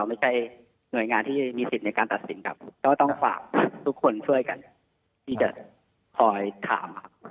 ไม่ใช่หน่วยงานที่มีสิทธิ์ในการตัดสินครับก็ต้องฝากทุกคนช่วยกันที่จะคอยถามครับ